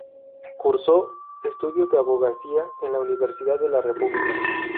Cursó estudios de abogacía en la Universidad de la República.